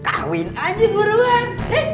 kawin aja buruan